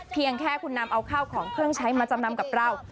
เพียงแค่คุณนำเอาข้าวของเครื่องใช้มาจำนำกับเรา